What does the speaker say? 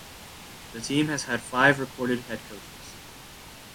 The team has had five recorded head coaches.